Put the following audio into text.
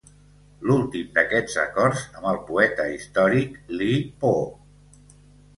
L'últim d'aquests acords amb el poeta històric Li Po.